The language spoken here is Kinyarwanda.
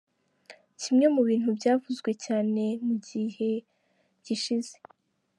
Kimwe mu bintu byavuzwe cyane mugiye gishize.